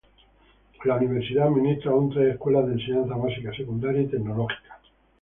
La universidad administra aún, tres escuelas de enseñanza básica, secundaria y tecnológica.